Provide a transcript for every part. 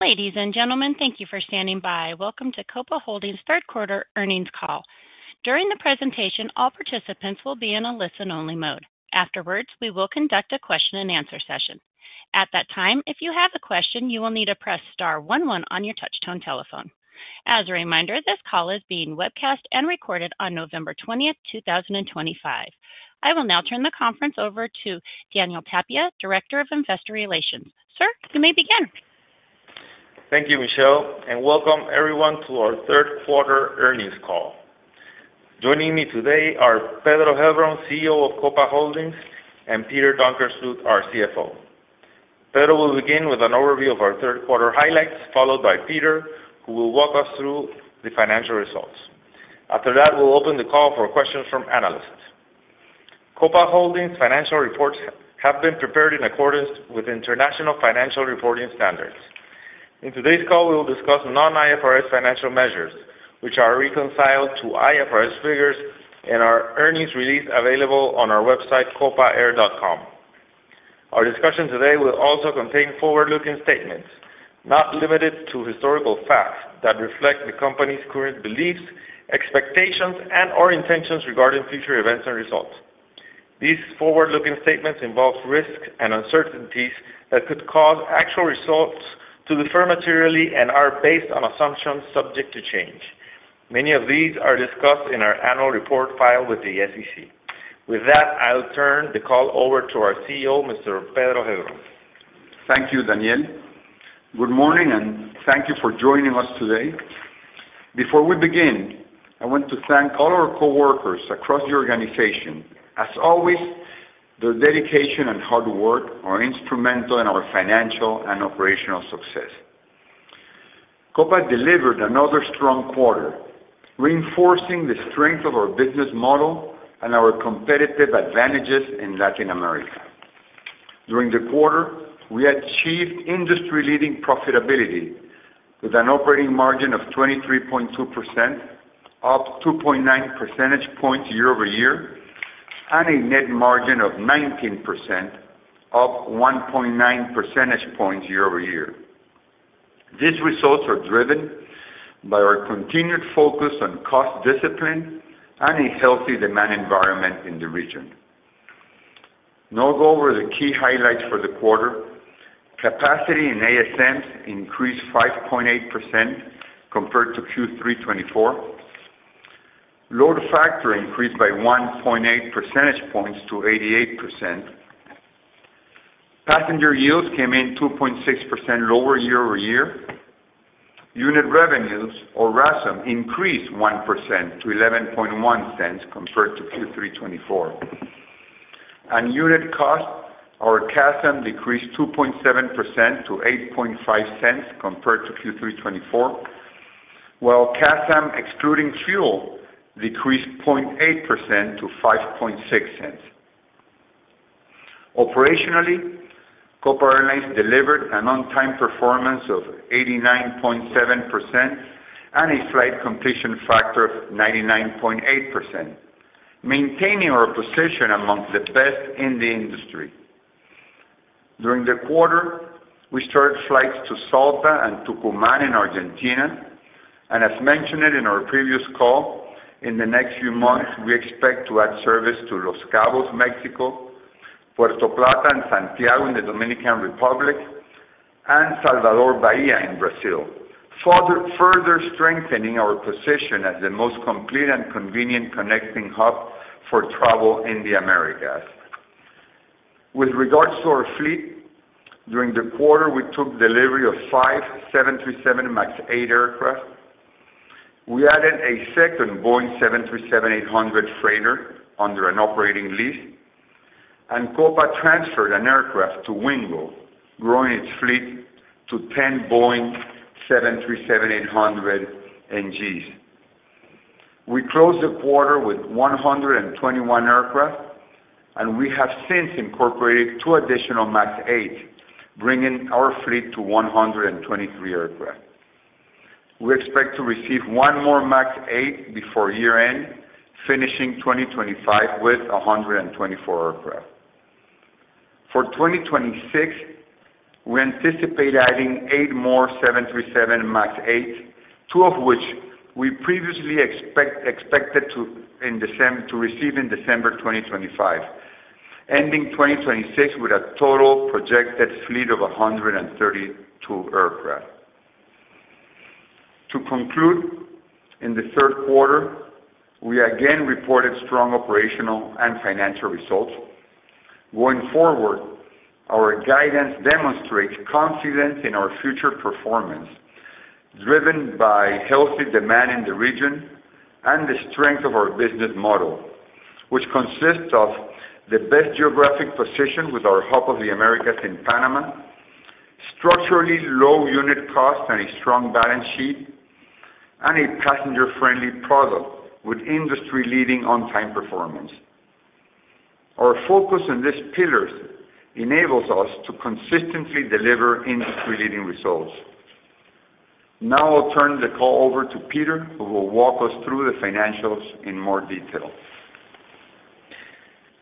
Ladies and gentlemen, thank you for standing by. Welcome to Copa Holdings' third quarter earnings call. During the presentation, all participants will be in a listen-only mode. Afterwards, we will conduct a question-and-answer session. At that time, if you have a question, you will need to press star 11 on your touchtone telephone. As a reminder, this call is being webcast and recorded on November 20th, 2025. I will now turn the conference over to Daniel Tapia, Director of Investor Relations. Sir, you may begin. Thank you, Michelle, and welcome everyone to our third quarter earnings call. Joining me today are Pedro Heilbron, CEO of Copa Holdings, and Peter Donkersloot, our CFO. Pedro will begin with an overview of our third quarter highlights, followed by Peter, who will walk us through the financial results. After that, we'll open the call for questions from analysts. Copa Holdings' financial reports have been prepared in accordance with International Financial Reporting Standards. In today's call, we will discuss non-IFRS financial measures, which are reconciled to IFRS figures, and our earnings release is available on our website, copaair.com. Our discussion today will also contain forward-looking statements, not limited to historical facts that reflect the company's current beliefs, expectations, and/or intentions regarding future events and results. These forward-looking statements involve risks and uncertainties that could cause actual results to differ materially and are based on assumptions subject to change. Many of these are discussed in our annual report filed with the SEC. With that, I'll turn the call over to our CEO, Mr. Pedro Heilbron. Thank you, Daniel. Good morning, and thank you for joining us today. Before we begin, I want to thank all our coworkers across the organization. As always, their dedication and hard work are instrumental in our financial and operational success. Copa delivered another strong quarter, reinforcing the strength of our business model and our competitive advantages in Latin America. During the quarter, we achieved industry-leading profitability with an operating margin of 23.2%, up 2.9 percentage points year-over-year, and a net margin of 19%, up 1.9 percentage points year-over-year. These results are driven by our continued focus on cost discipline and a healthy demand environment in the region. Now, go over the key highlights for the quarter. Capacity in ASMs increased 5.8% compared to Q3 2024. Load factor increased by 1.8 percentage points to 88%. Passenger yields came in 2.6% lower year-over-year. Unit revenues, or RASM, increased 1% to $0.111 compared to Q3 2024. Unit cost, or CASM, decreased 2.7% to $0.085 compared to Q3 2024, while CASM excluding fuel decreased 0.8% to $0.056. Operationally, Copa Airlines delivered an on-time performance of 89.7% and a flight completion factor of 99.8%, maintaining our position among the best in the industry. During the quarter, we started flights to Salta and Tucumán in Argentina. As mentioned in our previous call, in the next few months, we expect to add service to Los Cabos, Mexico, Puerto Plata and Santiago in the Dominican Republic, and Salvador Bahía in Brazil, further strengthening our position as the most complete and convenient connecting hub for travel in the Americas. With regards to our fleet, during the quarter, we took delivery of five 737 MAX 8 aircraft. We added a second Boeing 737-800 freighter under an operating lease, and Copa transferred an aircraft to Wingo, growing its fleet to 10 Boeing 737-800 NGs. We closed the quarter with 121 aircraft, and we have since incorporated two additional MAX 8s, bringing our fleet to 123 aircraft. We expect to receive one more MAX 8 before year-end, finishing 2025 with 124 aircraft. For 2026, we anticipate adding eight more 737 MAX 8s, two of which we previously expected to receive in December 2025, ending 2026 with a total projected fleet of 132 aircraft. To conclude, in the third quarter, we again reported strong operational and financial results. Going forward, our guidance demonstrates confidence in our future performance, driven by healthy demand in the region and the strength of our business model, which consists of the best geographic position with our hub of the Americas in Panama, structurally low unit cost, and a strong balance sheet, and a passenger-friendly product with industry-leading on-time performance. Our focus on these pillars enables us to consistently deliver industry-leading results. Now, I'll turn the call over to Peter, who will walk us through the financials in more detail.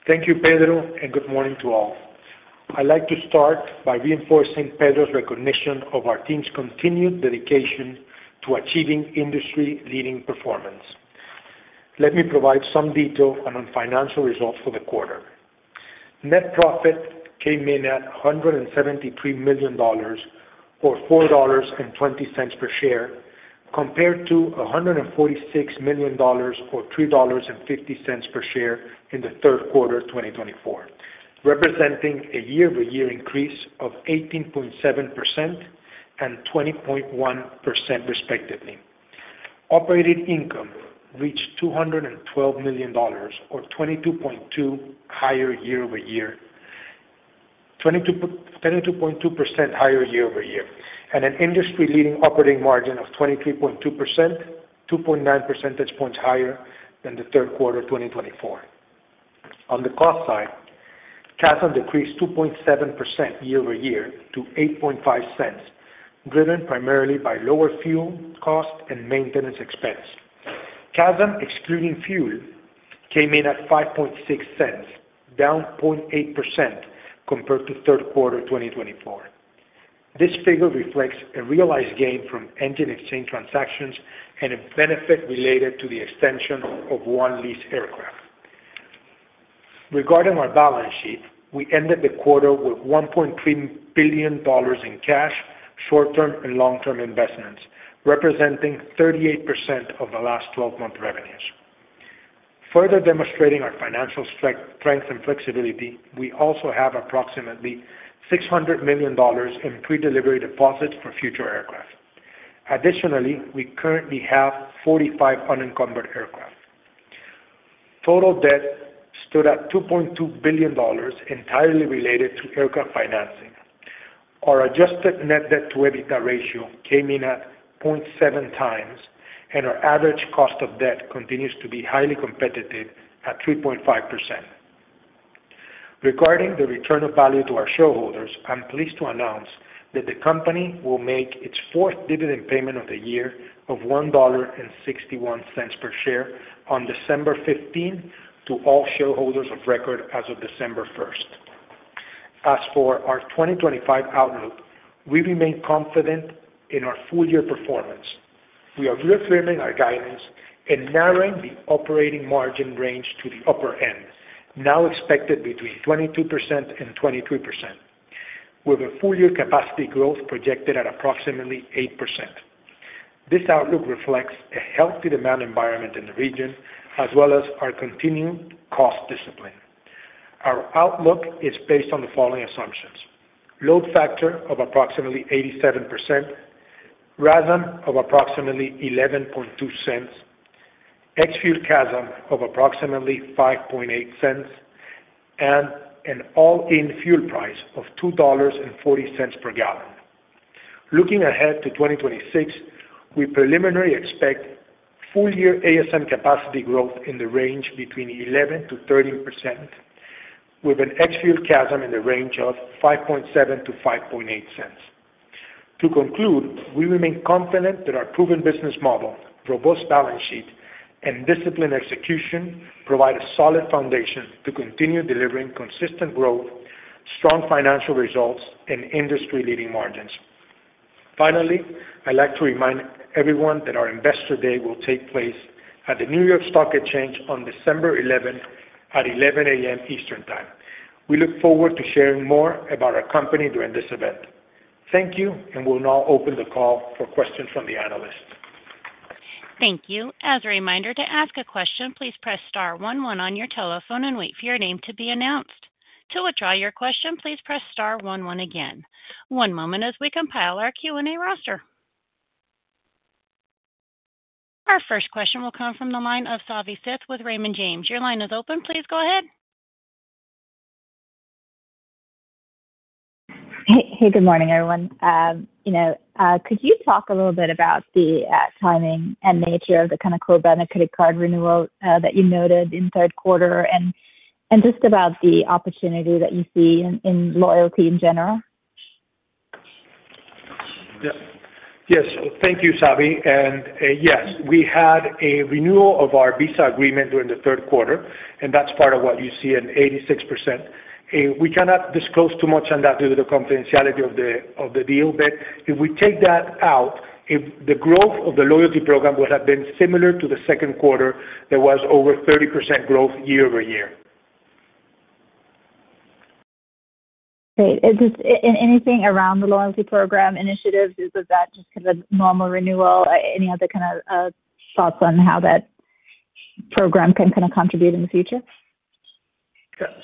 Thank you, Pedro, and good morning to all. I'd like to start by reinforcing Pedro's recognition of our team's continued dedication to achieving industry-leading performance. Let me provide some detail on our financial results for the quarter. Net profit came in at $173 million, or $4.20 per share, compared to $146 million, or $3.50 per share in the third quarter of 2024, representing a year-over-year increase of 18.7% and 20.1%, respectively. Operating income reached $212 million, or 22.2% higher year-over-year, and an industry-leading operating margin of 23.2%, 2.9 percentage points higher than the third quarter of 2024. On the cost side, CASM decreased 2.7% year-over-year to $0.085, driven primarily by lower fuel cost and maintenance expense. CASM, excluding fuel, came in at $0.056, down 0.8% compared to third quarter 2024. This figure reflects a realized gain from engine exchange transactions and a benefit related to the extension of one lease aircraft. Regarding our balance sheet, we ended the quarter with $1.3 billion in cash, short-term, and long-term investments, representing 38% of the last 12-month revenues. Further demonstrating our financial strength and flexibility, we also have approximately $600 million in pre-delivery deposits for future aircraft. Additionally, we currently have 45 unencumbered aircraft. Total debt stood at $2.2 billion, entirely related to aircraft financing. Our adjusted net debt-to-EBITDA ratio came in at 0.7x, and our average cost of debt continues to be highly competitive at 3.5%. Regarding the return of value to our shareholders, I'm pleased to announce that the company will make its fourth dividend payment of the year of $1.61 per share on December 15th to all shareholders of record as of December 1st. As for our 2025 outlook, we remain confident in our full-year performance. We are reaffirming our guidance and narrowing the operating margin range to the upper end, now expected between 22%-23%, with a full-year capacity growth projected at approximately 8%. This outlook reflects a healthy demand environment in the region, as well as our continued cost discipline. Our outlook is based on the following assumptions: load factor of approximately 87%, RASM of approximately $0.112, ex-fuel CASM of approximately $0.058, and an all-in fuel price of $2.40 per gallon. Looking ahead to 2026, we preliminary expect full-year ASM capacity growth in the range between 11%-13%, with an ex-fuel CASM in the range of $0.057-$0.058. To conclude, we remain confident that our proven business model, robust balance sheet, and disciplined execution provide a solid foundation to continue delivering consistent growth, strong financial results, and industry-leading margins. Finally, I'd like to remind everyone that our investor day will take place at the New York Stock Exchange on December 11th at 11:00 A.M. Eastern Time. We look forward to sharing more about our company during this event. Thank you, and we'll now open the call for questions from the analysts. Thank you. As a reminder, to ask a question, please press star 11 on your telephone and wait for your name to be announced. To withdraw your question, please press star 11 again. One moment as we compile our Q&A roster. Our first question will come from the line of Savi Syth with Raymond James. Your line is open. Please go ahead. Hey, good morning, everyone. Could you talk a little bit about the timing and nature of the kind of Copa and the credit card renewal that you noted in third quarter, and just about the opportunity that you see in loyalty in general? Yes, thank you, Savi. Yes, we had a renewal of our Visa agreement during the third quarter, and that's part of what you see at 86%. We cannot disclose too much on that due to the confidentiality of the deal, but if we take that out, the growth of the loyalty program would have been similar to the second quarter. There was over 30% growth year-over-year. Great. Anything around the loyalty program initiatives? Is that just kind of a normal renewal? Any other kind of thoughts on how that program can kind of contribute in the future?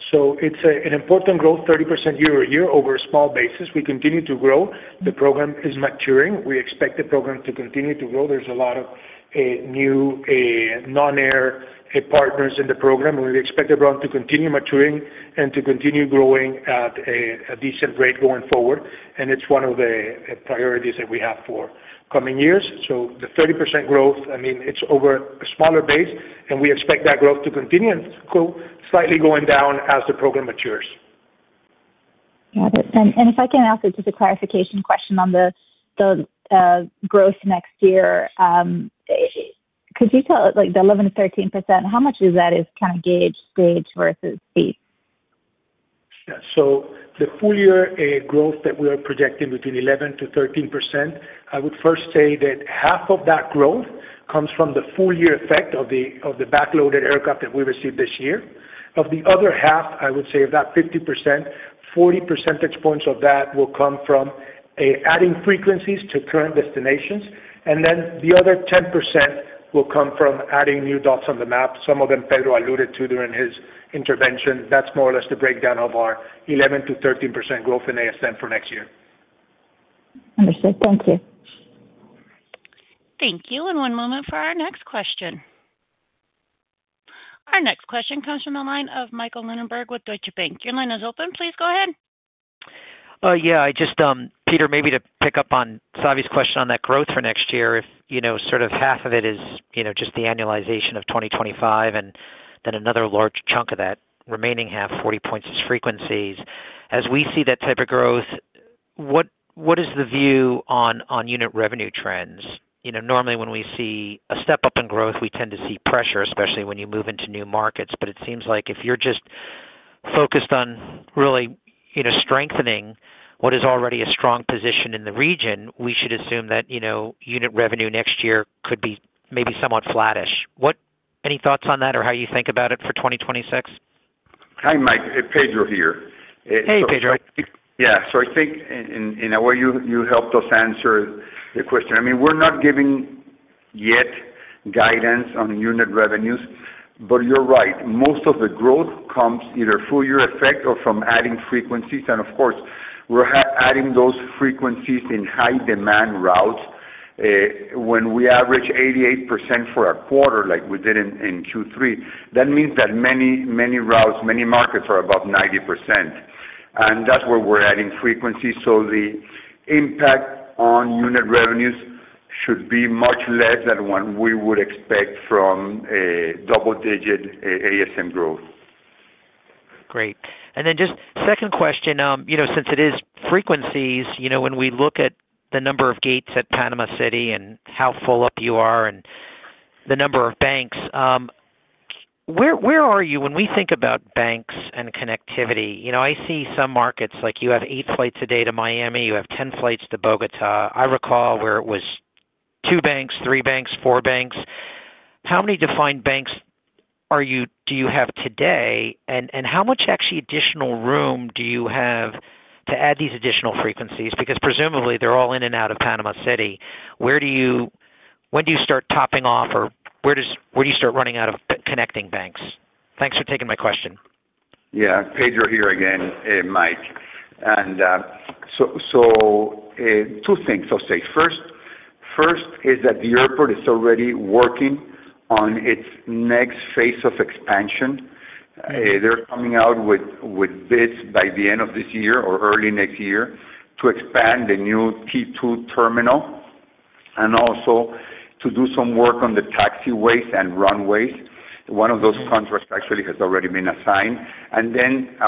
It's an important growth, 30% year-over-year over a small basis. We continue to grow. The program is maturing. We expect the program to continue to grow. There's a lot of new non-air partners in the program, and we expect everyone to continue maturing and to continue growing at a decent rate going forward. It's one of the priorities that we have for coming years. The 30% growth, I mean, it's over a smaller base, and we expect that growth to continue and go slightly going down as the program matures. Got it. If I can ask just a clarification question on the growth next year, could you tell the 11%-13%, how much is that kind of gauged stage versus state? The full-year growth that we are projecting between 11%-13%, I would first say that half of that growth comes from the full-year effect of the backloaded aircraft that we received this year. Of the other half, I would say of that 50%, 40 percentage points of that will come from adding frequencies to current destinations. The other 10% will come from adding new dots on the map, some of them Pedro alluded to during his intervention. That's more or less the breakdown of our 11%-13% growth in ASM for next year. Understood. Thank you. Thank you. One moment for our next question. Our next question comes from the line of Michael Linenberg with Deutsche Bank. Your line is open. Please go ahead. Yeah. Peter, maybe to pick up on Savi's question on that growth for next year, if sort of half of it is just the annualization of 2025, and then another large chunk of that remaining half, 40 points is frequencies. As we see that type of growth, what is the view on unit revenue trends? Normally, when we see a step up in growth, we tend to see pressure, especially when you move into new markets. It seems like if you're just focused on really strengthening what is already a strong position in the region, we should assume that unit revenue next year could be maybe somewhat flattish. Any thoughts on that or how you think about it for 2026? Hi, Mike. Pedro here. Hey, Pedro. Yeah. I think in a way, you helped us answer the question. I mean, we're not giving yet guidance on unit revenues, but you're right. Most of the growth comes either full-year effect or from adding frequencies. Of course, we're adding those frequencies in high-demand routes. When we average 88% for a quarter like we did in Q3, that means that many routes, many markets are above 90%. That's where we're adding frequencies. The impact on unit revenues should be much less than what we would expect from double-digit ASM growth. Great. And then just second question, since it is frequencies, when we look at the number of gates at Panama City and how full up you are and the number of banks, where are you when we think about banks and connectivity? I see some markets like you have 8 flights a day to Miami, you have 10 flights to Bogota. I recall where it was two banks, three banks, four banks. How many defined banks do you have today, and how much actually additional room do you have to add these additional frequencies? Because presumably, they're all in and out of Panama City. When do you start topping off, or where do you start running out of connecting banks? Thanks for taking my question. Yeah. Pedro here again, Mike. Two things I'll say. First is that the airport is already working on its next phase of expansion. They're coming out with bids by the end of this year or early next year to expand the new T2 terminal and also to do some work on the taxiways and runways. One of those contracts actually has already been assigned.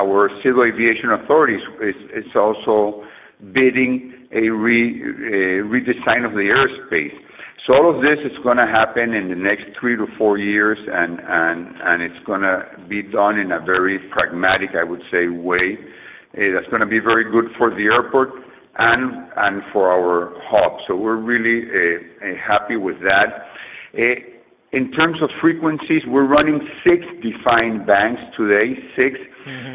Our civil aviation authorities is also bidding a redesign of the airspace. All of this is going to happen in the next three to four years, and it's going to be done in a very pragmatic, I would say, way that's going to be very good for the airport and for our hub. We're really happy with that. In terms of frequencies, we're running six defined banks today, six.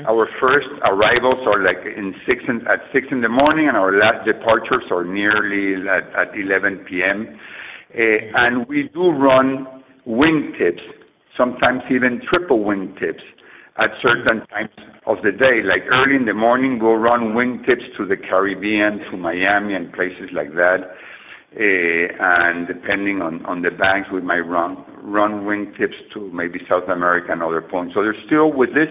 Our first arrivals are at 6:00 A.M., and our last departures are nearly at 11:00 P.M. We do run wingtips, sometimes even triple wingtips at certain times of the day. Early in the morning, we will run wingtips to the Caribbean, to Miami, and places like that. Depending on the banks, we might run wingtips to maybe South America and other points. There is still, with this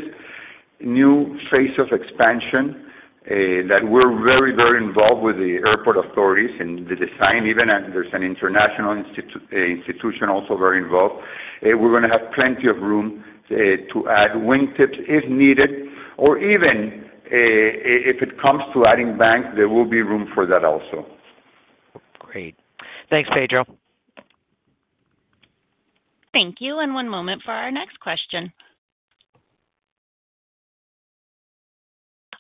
new phase of expansion, that we are very, very involved with the airport authorities and the design, even as there is an international institution also very involved. We are going to have plenty of room to add wingtips if needed, or even if it comes to adding banks, there will be room for that also. Great. Thanks, Pedro. Thank you. One moment for our next question.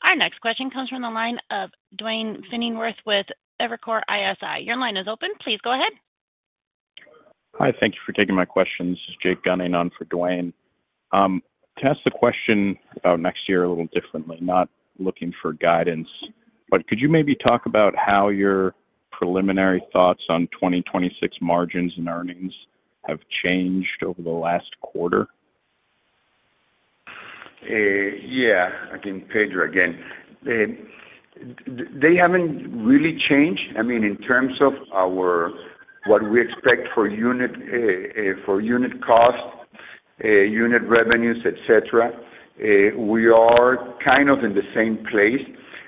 Our next question comes from the line of Duane Pfennigwerth with Evercore ISI. Your line is open. Please go ahead. Hi. Thank you for taking my questions. This is Jake Gunning on for Duane. To ask the question about next year a little differently, not looking for guidance, but could you maybe talk about how your preliminary thoughts on 2026 margins and earnings have changed over the last quarter? Yeah. I think Pedro again. They haven't really changed. I mean, in terms of what we expect for unit costs, unit revenues, etc., we are kind of in the same place.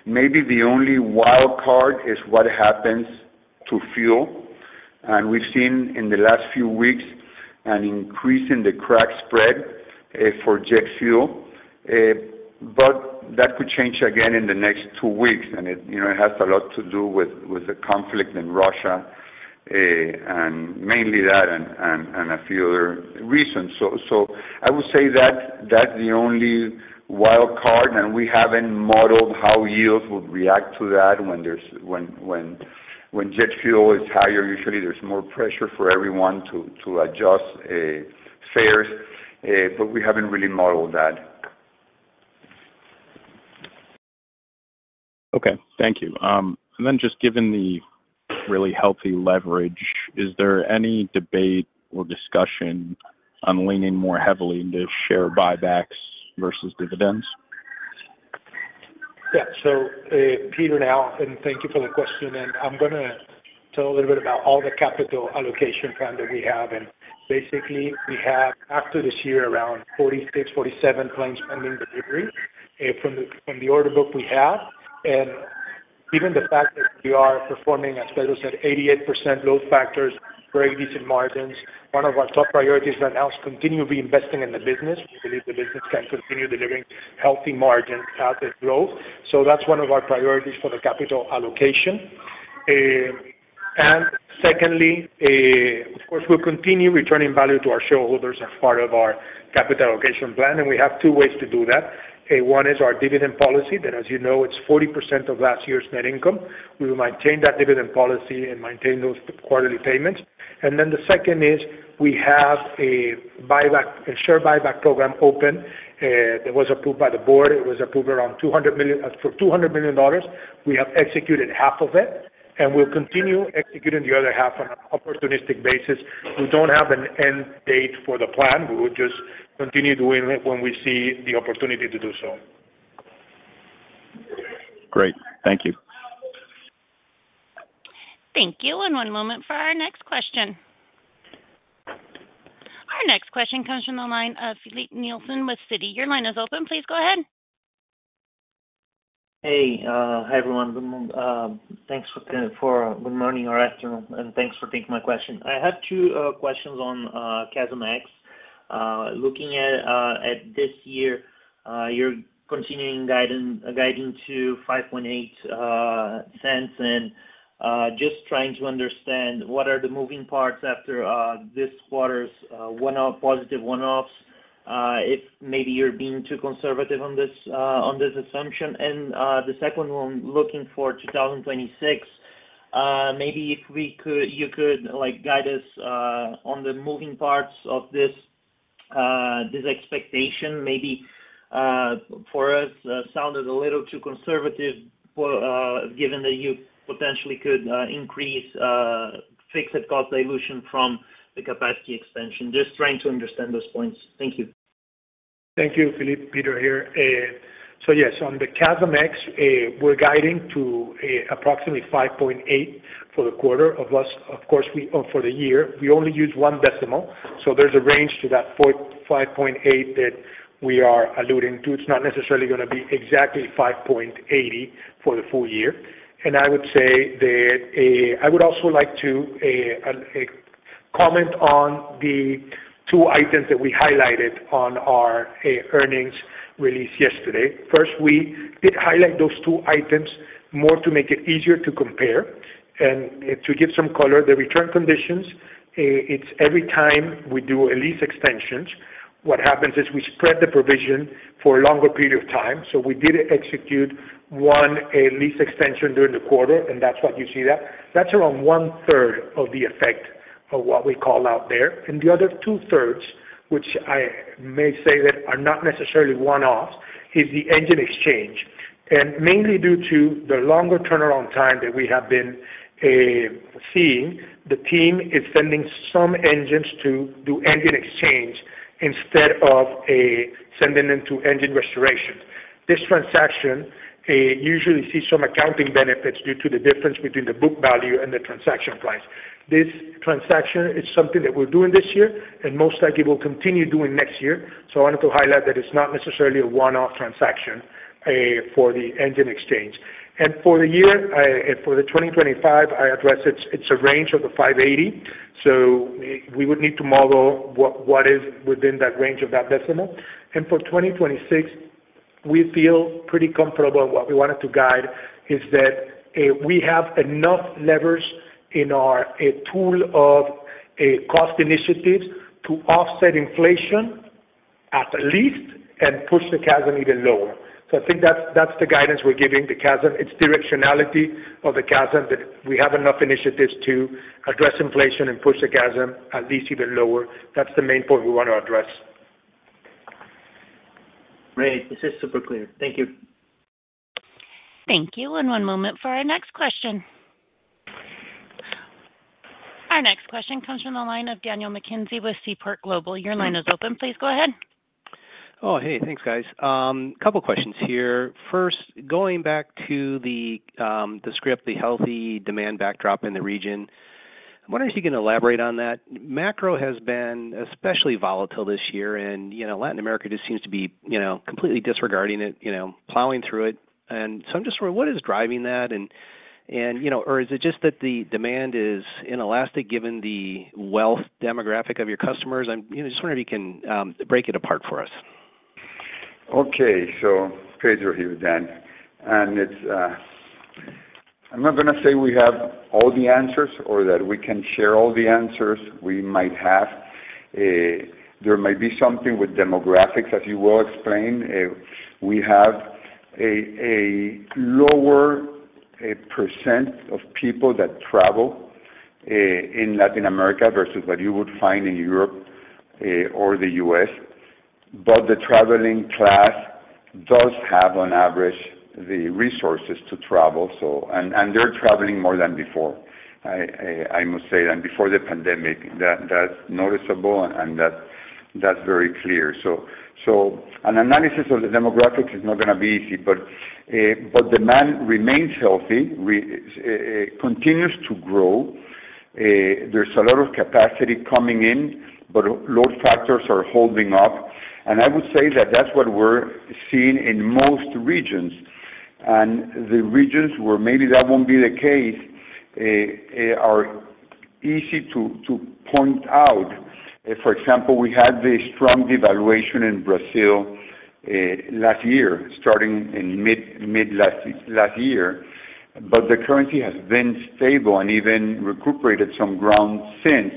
Maybe the only wild card is what happens to fuel. We have seen in the last few weeks an increase in the crack spread for jet fuel, but that could change again in the next two weeks. It has a lot to do with the conflict in Russia and mainly that and a few other reasons. I would say that's the only wild card. We haven't modeled how yields would react to that. When jet fuel is higher, usually there's more pressure for everyone to adjust fares, but we haven't really modeled that. Okay. Thank you. And then just given the really healthy leverage, is there any debate or discussion on leaning more heavily into share buybacks versus dividends? Yeah. Peter now, and thank you for the question. I'm going to tell a little bit about all the capital allocation plan that we have. Basically, we have after this year around 46-47 planned spending delivery from the order book we have. Given the fact that we are performing, as Pedro said, 88% load factors, very decent margins, one of our top priorities right now is to continue reinvesting in the business. We believe the business can continue delivering healthy margins as it grows. That is one of our priorities for the capital allocation. Secondly, of course, we'll continue returning value to our shareholders as part of our capital allocation plan. We have two ways to do that. One is our dividend policy. As you know, it's 40% of last year's net income. We will maintain that dividend policy and maintain those quarterly payments. The second is we have a share buyback program open that was approved by the board. It was approved for $200 million. We have executed half of it, and we'll continue executing the other half on an opportunistic basis. We do not have an end date for the plan. We will just continue doing it when we see the opportunity to do so. Great. Thank you. Thank you. One moment for our next question. Our next question comes from the line of Filipe Nielsen with Citi. Your line is open. Please go ahead. Hey. Hi, everyone. Thanks for good morning or afternoon, and thanks for taking my question. I have two questions on CASM. Looking at this year, you're continuing guiding to 5.8 cents and just trying to understand what are the moving parts after this quarter's positive one-offs if maybe you're being too conservative on this assumption. The second one, looking for 2026, maybe if you could guide us on the moving parts of this expectation. Maybe for us, it sounded a little too conservative given that you potentially could increase fixed cost dilution from the capacity expansion. Just trying to understand those points. Thank you. Thank you. Filipe, Peter here. Yes, on the CASM, we're guiding to approximately $0.058 for the quarter for us. Of course, for the year, we only use one decimal. There is a range to that $0.058 that we are alluding to. It is not necessarily going to be exactly $0.058 for the full year. I would also like to comment on the two items that we highlighted on our earnings release yesterday. First, we did highlight those two items more to make it easier to compare and to give some color. The return conditions, every time we do a lease extension, what happens is we spread the provision for a longer period of time. We did execute one lease extension during the quarter, and that is why you see that. That is around one-third of the effect of what we call out there. The other two-thirds, which I may say that are not necessarily one-offs, is the engine exchange. Mainly due to the longer turnaround time that we have been seeing, the team is sending some engines to do engine exchange instead of sending them to engine restoration. This transaction usually sees some accounting benefits due to the difference between the book value and the transaction price. This transaction is something that we're doing this year and most likely we'll continue doing next year. I wanted to highlight that it's not necessarily a one-off transaction for the engine exchange. For the year and for 2025, I addressed it's a range of the $0.058. We would need to model what is within that range of that decimal. For 2026, we feel pretty comfortable. What we wanted to guide is that we have enough levers in our tool of cost initiatives to offset inflation at least and push the CASM even lower. I think that's the guidance we're giving the CASM. It's the directionality of the CASM that we have enough initiatives to address inflation and push the CASM at least even lower. That's the main point we want to address. Great. This is super clear. Thank you. Thank you. One moment for our next question. Our next question comes from the line of Daniel McKenzie with Seaport Global. Your line is open. Please go ahead. Oh, hey. Thanks, guys. A couple of questions here. First, going back to the script, the healthy demand backdrop in the region, I'm wondering if you can elaborate on that. Macro has been especially volatile this year, and Latin America just seems to be completely disregarding it, plowing through it. I'm just wondering, what is driving that? Is it just that the demand is inelastic given the wealth demographic of your customers? I'm just wondering if you can break it apart for us. Okay. Pedro here then. I'm not going to say we have all the answers or that we can share all the answers we might have. There might be something with demographics, as you will explain. We have a lower % of people that travel in Latin America versus what you would find in Europe or the U.S. The traveling class does have, on average, the resources to travel. They're traveling more than before, I must say. Before the pandemic, that's noticeable, and that's very clear. An analysis of the demographics is not going to be easy, but demand remains healthy, continues to grow. There's a lot of capacity coming in, but load factors are holding up. I would say that's what we're seeing in most regions. The regions where maybe that won't be the case are easy to point out. For example, we had the strong devaluation in Brazil last year, starting in mid-last year. The currency has been stable and even recuperated some ground since.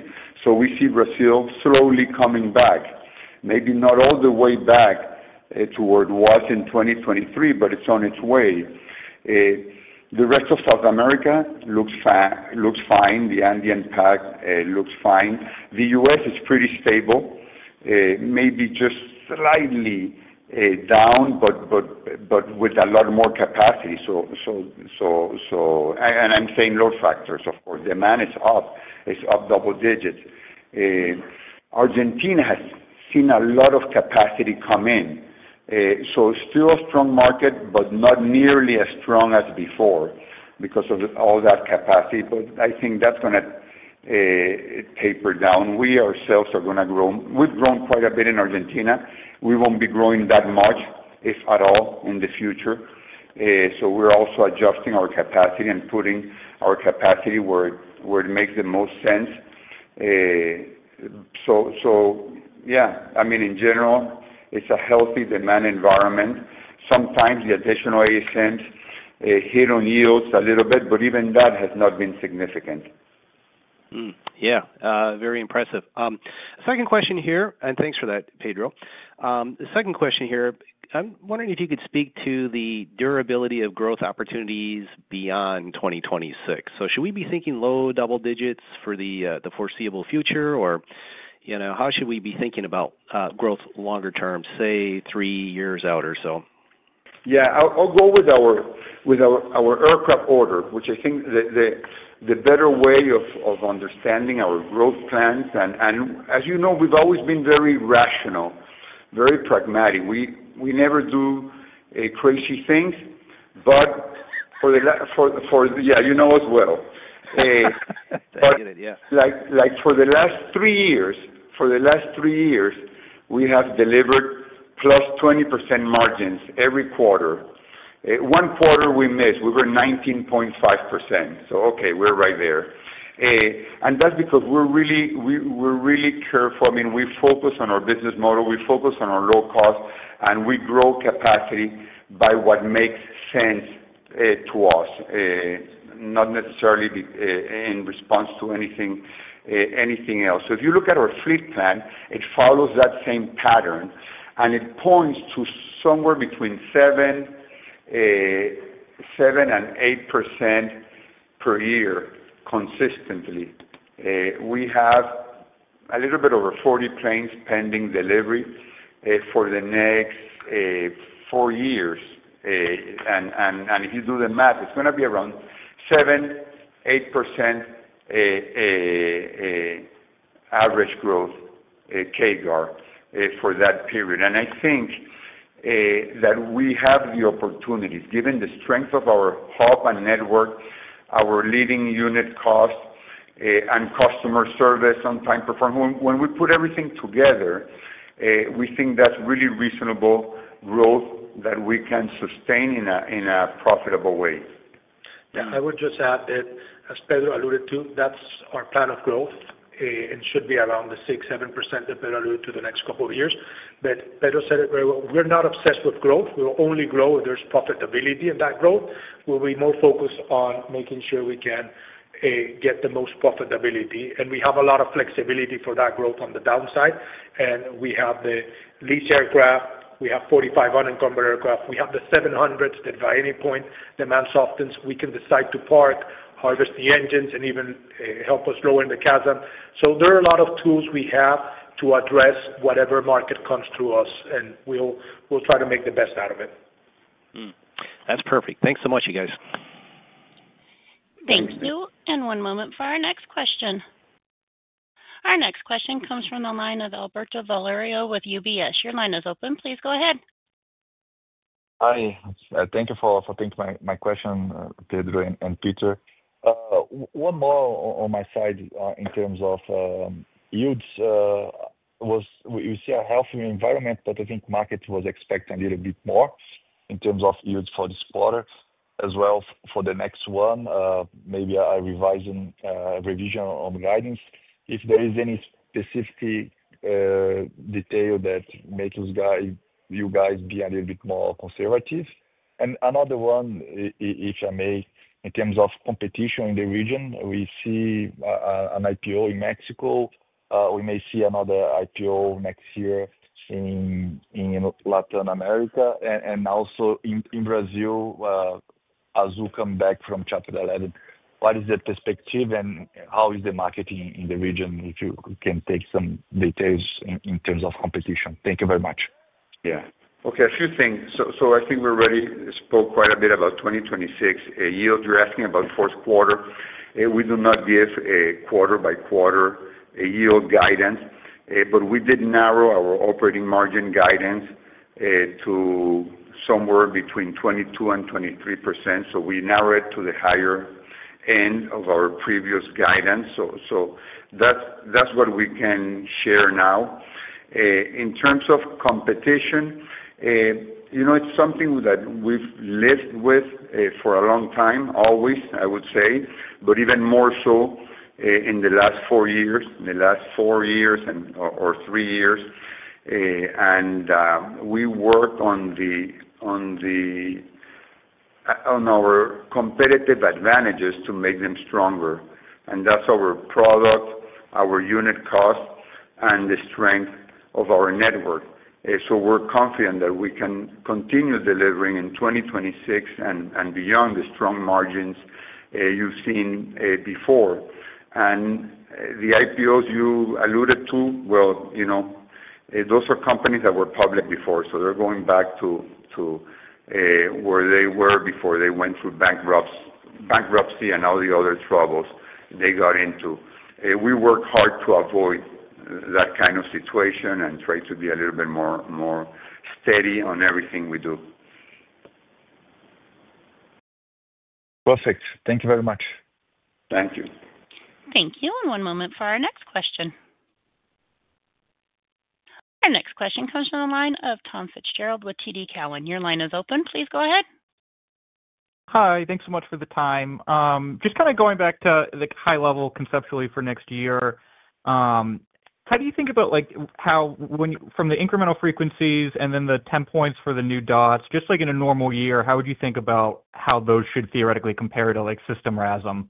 We see Brazil slowly coming back. Maybe not all the way back to what it was in 2023, but it's on its way. The rest of South America looks fine. The Andean Pact looks fine. The U.S. is pretty stable, maybe just slightly down, but with a lot more capacity. I'm saying load factors, of course. Demand is up. It's up double digits. Argentina has seen a lot of capacity come in. Still a strong market, but not nearly as strong as before because of all that capacity. I think that's going to taper down. We ourselves are going to grow. We've grown quite a bit in Argentina. We won't be growing that much, if at all, in the future. We are also adjusting our capacity and putting our capacity where it makes the most sense. Yeah. I mean, in general, it's a healthy demand environment. Sometimes the additional $0.80 hit on yields a little bit, but even that has not been significant. Yeah. Very impressive. Second question here, and thanks for that, Pedro. The second question here, I'm wondering if you could speak to the durability of growth opportunities beyond 2026. Should we be thinking low double digits for the foreseeable future, or how should we be thinking about growth longer term, say, three years out or so? Yeah. I'll go with our aircraft order, which I think is the better way of understanding our growth plans. As you know, we've always been very rational, very pragmatic. We never do crazy things, but for the last—yeah, you know us well. That's good. Yeah. Like for the last three years, for the last three years, we have delivered plus 20% margins every quarter. One quarter we missed. We were 19.5%. Okay, we're right there. That's because we're really careful. I mean, we focus on our business model. We focus on our low cost, and we grow capacity by what makes sense to us, not necessarily in response to anything else. If you look at our fleet plan, it follows that same pattern, and it points to somewhere between 7%-8% per year consistently. We have a little bit over 40 planes pending delivery for the next four years. If you do the math, it's going to be around 7%-8% average growth KGAR for that period. I think that we have the opportunities, given the strength of our hub and network, our leading unit cost, and customer service on time performance. When we put everything together, we think that's really reasonable growth that we can sustain in a profitable way. Yeah. I would just add that, as Pedro alluded to, that's our plan of growth. It should be around the 6%-7% that Pedro alluded to the next couple of years. Pedro said it very well. We're not obsessed with growth. We'll only grow if there's profitability in that growth. We're more focused on making sure we can get the most profitability. We have a lot of flexibility for that growth on the downside. We have the leased aircraft. We have 4,500 unencumbered aircraft. We have the 700s that, at any point, if demand softens, we can decide to park, harvest the engines, and even help us lower the CASM. There are a lot of tools we have to address whatever market comes to us, and we'll try to make the best out of it. That's perfect. Thanks so much, you guys. Thank you. One moment for our next question. Our next question comes from the line of Alberto Valerio with UBS. Your line is open. Please go ahead. Hi. Thank you for taking my question, Pedro and Peter. One more on my side in terms of yields. We see a healthy environment, but I think market was expecting a little bit more in terms of yields for this quarter as well for the next one. Maybe a revision, revision on guidance. If there is any specific detail that makes you guys be a little bit more conservative. Another one, if I may, in terms of competition in the region, we see an IPO in Mexico. We may see another IPO next year in Latin America and also in Brazil, Azul comeback from Chapter 11. What is the perspective and how is the market in the region if you can take some details in terms of competition? Thank you very much. Yeah. Okay. A few things. I think we already spoke quite a bit about 2026. Yield, you're asking about fourth quarter. We do not give a quarter-by-quarter yield guidance, but we did narrow our operating margin guidance to somewhere between 22%-23%. We narrowed it to the higher end of our previous guidance. That's what we can share now. In terms of competition, it's something that we've lived with for a long time, always, I would say, even more so in the last four years, in the last four years or three years. We work on our competitive advantages to make them stronger. That's our product, our unit cost, and the strength of our network. We're confident that we can continue delivering in 2026 and beyond the strong margins you've seen before. The IPOs you alluded to, those are companies that were public before. They are going back to where they were before they went through bankruptcy and all the other troubles they got into. We work hard to avoid that kind of situation and try to be a little bit more steady on everything we do. Perfect. Thank you very much. Thank you. Thank you. One moment for our next question. Our next question comes from the line of Thomas Fitzgerald with TD Cowen. Your line is open. Please go ahead. Hi. Thanks so much for the time. Just kind of going back to the high level conceptually for next year, how do you think about how from the incremental frequencies and then the temp points for the new dots, just like in a normal year, how would you think about how those should theoretically compare to system RASM?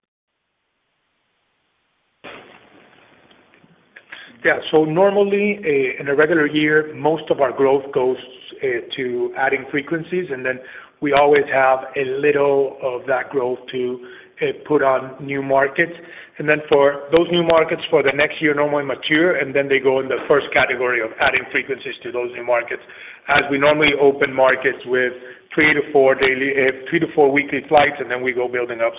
Yeah. Normally, in a regular year, most of our growth goes to adding frequencies, and then we always have a little of that growth to put on new markets. For those new markets, for the next year, normally they mature, and then they go in the first category of adding frequencies to those new markets. We normally open markets with three to four weekly flights, and then we go building up.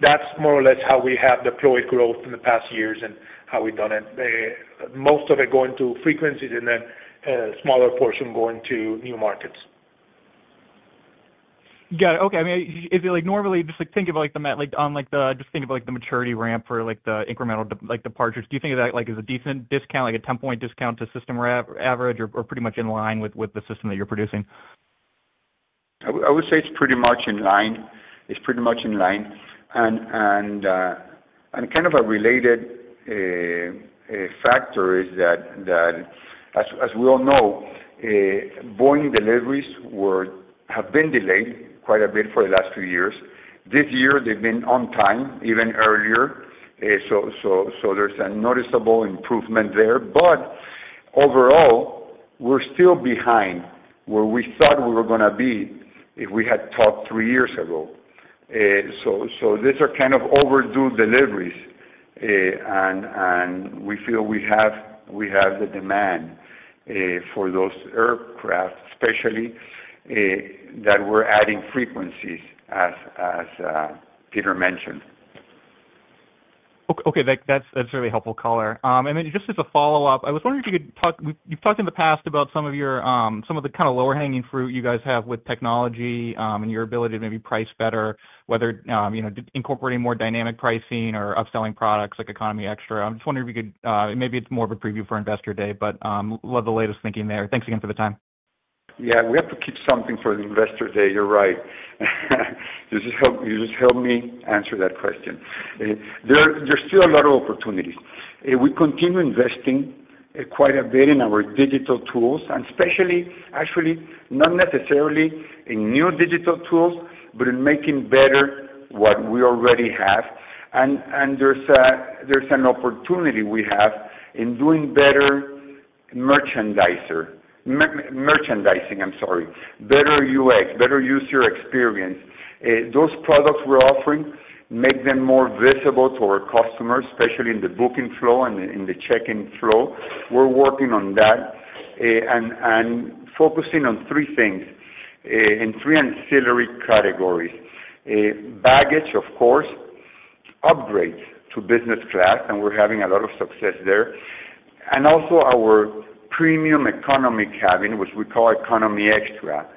That is more or less how we have deployed growth in the past years and how we've done it. Most of it goes to frequencies and then a smaller portion goes to new markets. Got it. Okay. I mean, is it normally just think of on the just think of the maturity ramp or the incremental departures. Do you think of that as a decent discount, like a 10-point discount to system average or pretty much in line with the system that you're producing? I would say it's pretty much in line. It's pretty much in line. A related factor is that, as we all know, Boeing deliveries have been delayed quite a bit for the last few years. This year, they've been on time, even earlier. There is a noticeable improvement there. Overall, we're still behind where we thought we were going to be if we had talked three years ago. These are kind of overdue deliveries, and we feel we have the demand for those aircraft, especially that we're adding frequencies, as Peter mentioned. Okay. That's really helpful color. Just as a follow-up, I was wondering if you could talk—you've talked in the past about some of the kind of lower-hanging fruit you guys have with technology and your ability to maybe price better, whether incorporating more dynamic pricing or upselling products like Economy Extra. I'm just wondering if you could—maybe it's more of a preview for Investor Day, but love the latest thinking there. Thanks again for the time. Yeah. We have to keep something for the Investor Day. You're right. You just helped me answer that question. There's still a lot of opportunities. We continue investing quite a bit in our digital tools, and especially, actually, not necessarily in new digital tools, but in making better what we already have. There's an opportunity we have in doing better merchandising, I'm sorry, better UX, better user experience. Those products we're offering, make them more visible to our customers, especially in the booking flow and in the check-in flow. We're working on that and focusing on three things in three ancillary categories. Baggage, of course, upgrades to business class, and we're having a lot of success there. Also our premium economy cabin, which we call Economy Extra.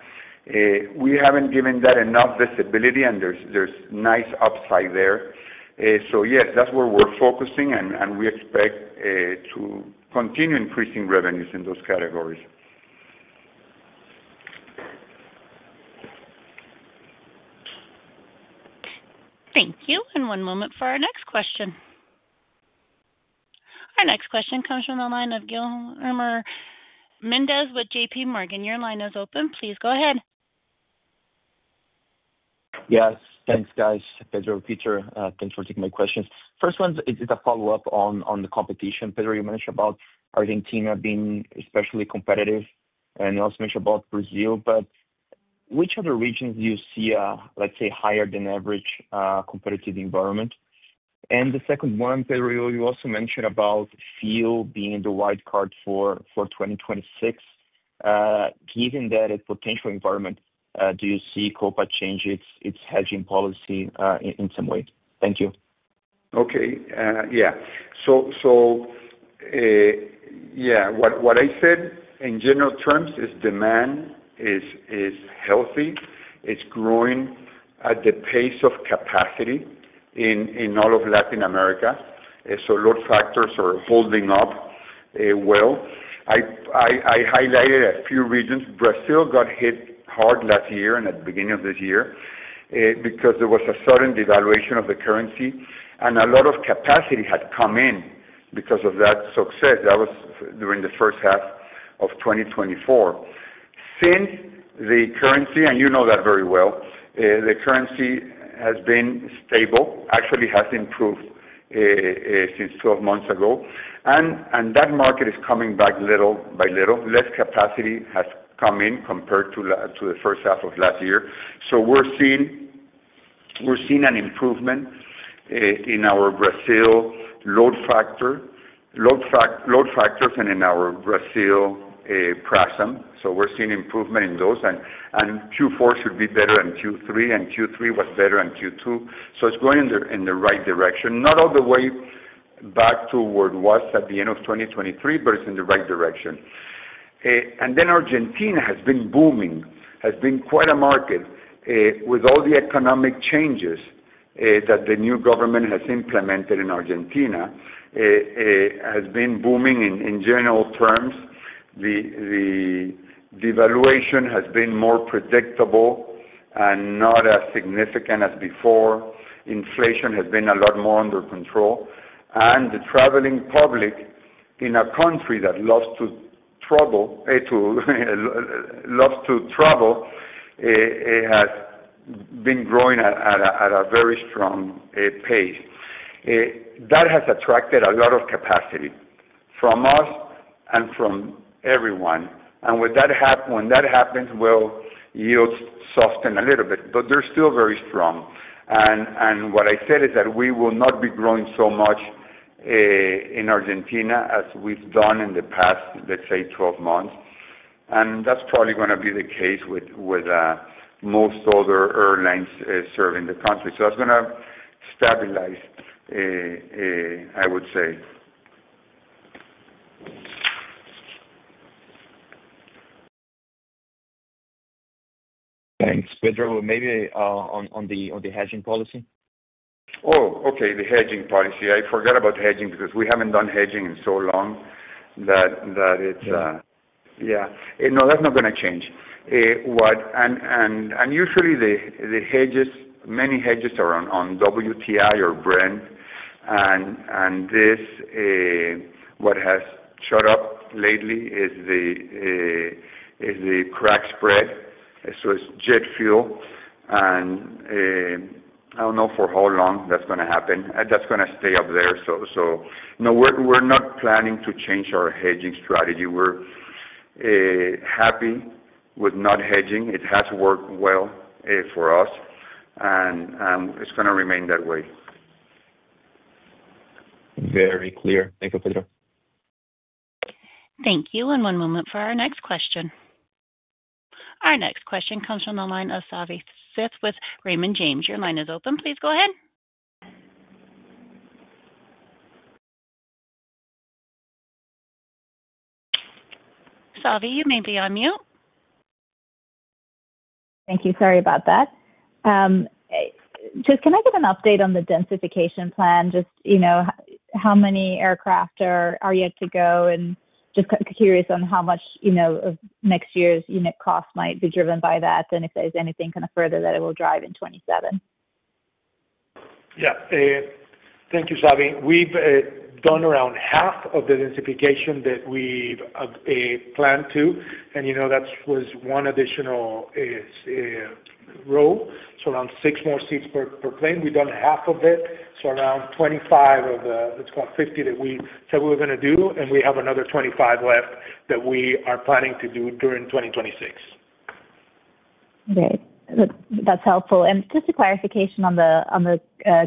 We haven't given that enough visibility, and there's nice upside there. Yes, that's where we're focusing, and we expect to continue increasing revenues in those categories. Thank you. One moment for our next question. Our next question comes from the line of Guilherme Mendes with JPMorgan. Your line is open. Please go ahead. Yes. Thanks, guys. Pedro and Peter, thanks for taking my questions. First one is a follow-up on the competition. Pedro, you mentioned about Argentina being especially competitive, and you also mentioned about Brazil, but which other regions do you see, let's say, higher than average competitive environment? The second one, Pedro, you also mentioned about fuel being the wild card for 2026. Given that potential environment, do you see Copa changing its hedging policy in some way? Thank you. Okay. Yeah. So yeah, what I said in general terms is demand is healthy. It's growing at the pace of capacity in all of Latin America. So load factors are holding up well. I highlighted a few regions. Brazil got hit hard last year and at the beginning of this year because there was a sudden devaluation of the currency, and a lot of capacity had come in because of that success. That was during the first half of 2024. Since the currency, and you know that very well, the currency has been stable. Actually, it has improved since 12 months ago. And that market is coming back little by little. Less capacity has come in compared to the first half of last year. So we're seeing an improvement in our Brazil load factor and in our Brazil pricing. So we're seeing improvement in those. Q4 should be better than Q3, and Q3 was better than Q2. It is going in the right direction. Not all the way back to where it was at the end of 2023, but it is in the right direction. Argentina has been booming, has been quite a market with all the economic changes that the new government has implemented in Argentina. It has been booming in general terms. The devaluation has been more predictable and not as significant as before. Inflation has been a lot more under control. The traveling public in a country that loves to travel has been growing at a very strong pace. That has attracted a lot of capacity from us and from everyone. When that happens, yields soften a little bit, but they are still very strong. What I said is that we will not be growing so much in Argentina as we've done in the past, let's say, 12 months. That's probably going to be the case with most other airlines serving the country. That's going to stabilize, I would say. Thanks. Pedro, maybe on the hedging policy. Oh, okay. The hedging policy. I forgot about hedging because we haven't done hedging in so long that it's, yeah. No, that's not going to change. Usually, many hedges are on WTI or Brent. What has shot up lately is the crack spread. It's jet fuel. I don't know for how long that's going to happen. That's going to stay up there. No, we're not planning to change our hedging strategy. We're happy with not hedging. It has worked well for us, and it's going to remain that way. Very clear. Thank you, Pedro. Thank you. One moment for our next question. Our next question comes from the line of Savi Syth with Raymond James. Your line is open. Please go ahead. Savi, you may be on mute. Thank you. Sorry about that. Just can I get an update on the densification plan? Just how many aircraft are yet to go? Just curious on how much of next year's unit cost might be driven by that and if there's anything kind of further that it will drive in 2027. Yeah. Thank you, Savi. We've done around half of the densification that we planned to. That was one additional row, so around six more seats per plane. We've done half of it, so around 25 of the, it's about 50 that we said we were going to do, and we have another 25 left that we are planning to do during 2026. Okay. That's helpful. Just a clarification on the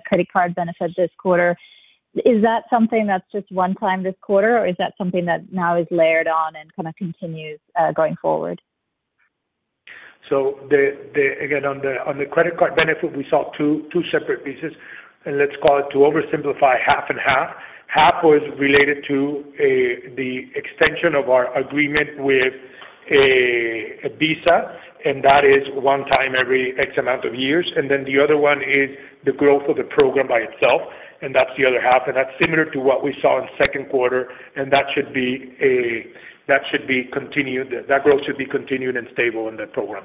credit card benefit this quarter. Is that something that's just one time this quarter, or is that something that now is layered on and kind of continues going forward? On the credit card benefit, we saw two separate pieces. Let's call it, to oversimplify, half and half. Half was related to the extension of our agreement with Visa, and that is one time every X amount of years. The other one is the growth of the program by itself, and that's the other half. That's similar to what we saw in the second quarter. That growth should be continued and stable in the program.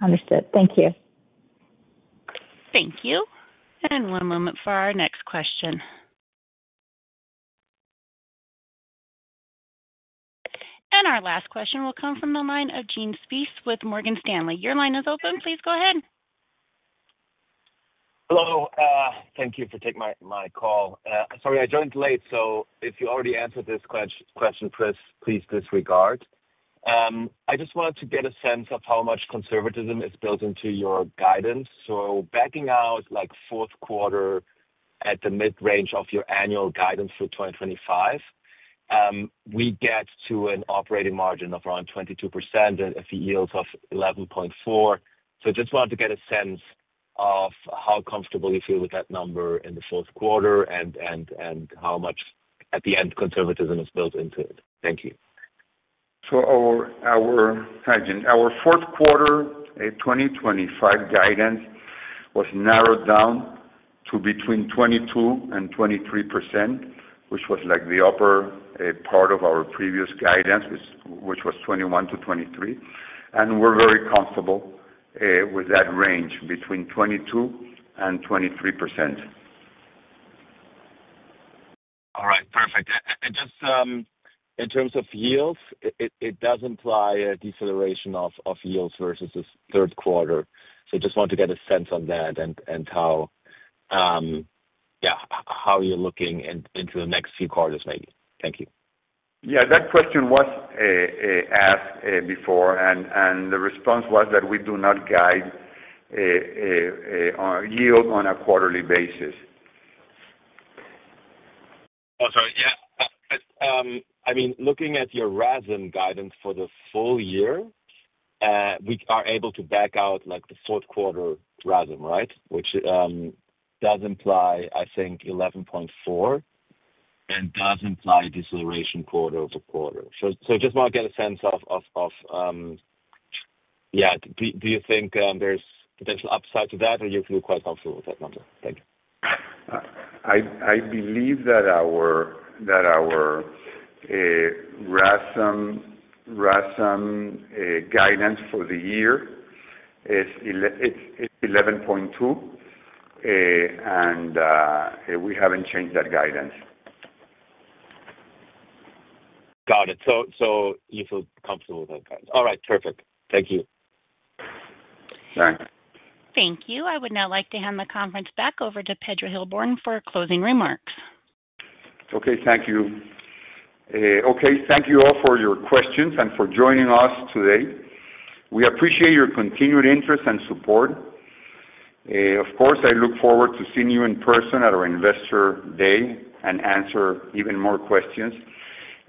Understood. Thank you. Thank you. One moment for our next question. Our last question will come from the line of Jens Spiess with Morgan Stanley. Your line is open. Please go ahead. Hello. Thank you for taking my call. Sorry, I joined late. If you already answered this question, please disregard. I just wanted to get a sense of how much conservatism is built into your guidance. Backing out fourth quarter at the mid-range of your annual guidance for 2025, we get to an operating margin of around 22% and a yield of $0.114. I just wanted to get a sense of how comfortable you feel with that number in the fourth quarter and how much at the end conservatism is built into it. Thank you. Our hedging, our fourth quarter 2025 guidance was narrowed down to between 22% and 23%, which was like the upper part of our previous guidance, which was 21%-23%. And we're very comfortable with that range between 22% and 23%. All right. Perfect. In terms of yields, it does imply a deceleration of yields versus the third quarter. I just wanted to get a sense on that and how, yeah, how you're looking into the next few quarters maybe. Thank you. Yeah. That question was asked before, and the response was that we do not guide yield on a quarterly basis. Oh, sorry. Yeah. I mean, looking at your RASM guidance for the full year, we are able to back out the fourth quarter RASM, right, which does imply, I think, $0.114 and does imply a deceleration quarter over quarter. Just want to get a sense of, yeah, do you think there's potential upside to that, or you feel quite comfortable with that number? Thank you. I believe that our RASM guidance for the year is $0.112, and we haven't changed that guidance. Got it. You feel comfortable with that guidance. All right. Perfect. Thank you. Bye. Thank you. I would now like to hand the conference back over to Pedro Heilbron for closing remarks. Okay. Thank you. Okay. Thank you all for your questions and for joining us today. We appreciate your continued interest and support. Of course, I look forward to seeing you in person at our Investor Day and answer even more questions.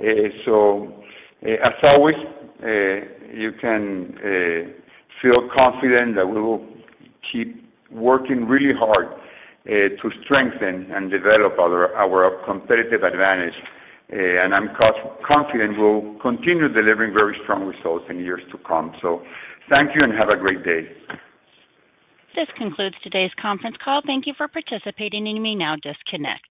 As always, you can feel confident that we will keep working really hard to strengthen and develop our competitive advantage. I am confident we will continue delivering very strong results in years to come. Thank you and have a great day. This concludes today's conference call. Thank you for participating. You may now disconnect.